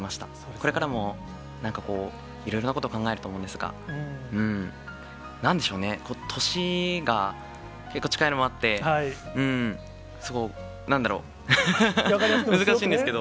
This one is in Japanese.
これからもなんかこう、いろいろなことを考えると思うんですが、なんでしょうね、年が結構近いのもあって、すごい、なんだろう、難しいんですけど。